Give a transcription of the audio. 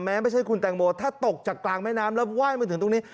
ไม่ใช่คุณแตงโมถ้าตกจากกลางแม่น้ำแล้วไหว้มาถึงตรงนี้